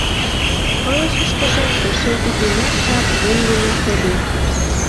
Пылышыштыже эше икмыняр жап йоҥгымо шоген.